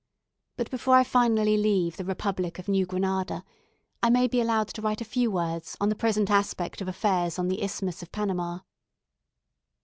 But before I finally leave the republic of New Granada, I may be allowed to write a few words on the present aspect of affairs on the Isthmus of Panama.